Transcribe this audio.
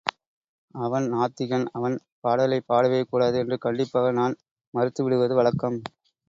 அவன் நாத்திகன் அவன் பாடலைப் பாடவே கூடாது என்று கண்டிப்பாக நான் மறுத்து விடுவது வழக்கம்.